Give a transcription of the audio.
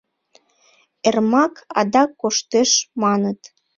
Эрмак адак коштеш, маныт.